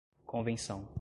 convenção